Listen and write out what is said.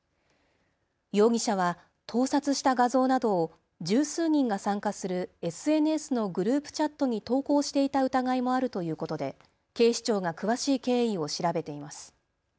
容疑者は盗撮した画像などを十数人が参加するＳＮＳのグループチャットに投稿していた疑いもあるということで警視庁が詳しい経緯を調べています。